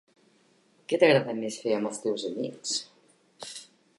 Què t'agrada més fer amb els teus amics?